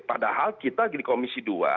padahal kita di komisi dua